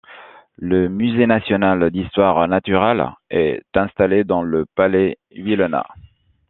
Le Musée National d'Histoire Naturelle est installé dans le palais Vilhena.